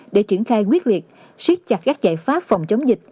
để triển khai quyết liệt siết chặt các giải pháp phòng chống dịch